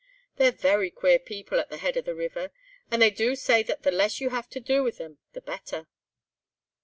They're very queer people at the head of the river, and they do say that the less you have to do with them the better."